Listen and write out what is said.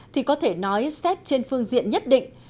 thì có thể nói xét trên phương diện nhất định